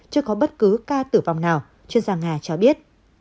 chưa có bất cứ ca tử vong nào chuyên gia nga cho biết